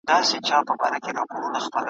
د مولوي بلخي مثنوي